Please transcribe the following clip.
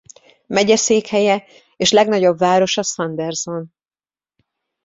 Megyeszékhelye és legnagyobb városa Sanderson.